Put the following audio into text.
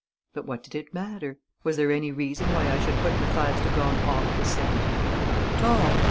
But what did it matter? Was there any reason why I should put Mathias de Gorne off the scent? Not at all.